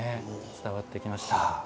伝わってきました。